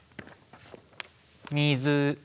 水。